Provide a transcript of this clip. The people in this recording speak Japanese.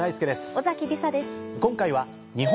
尾崎里紗です。